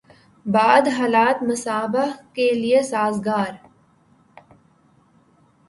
بعد حالات مصباح کے لیے سازگار